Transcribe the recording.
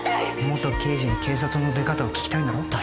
元刑事に警察の出方を聞きたいんだろ？